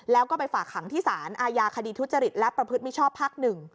แล้วก็ไปฝากขังที่สารอาญาคดีทุจริตและประพฤติมิชชอบภาค๑